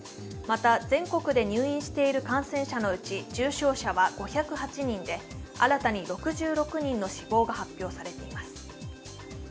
また全国で入院している感染者のうち重症者は５０８人で、新たに６６人の死亡が発表されています。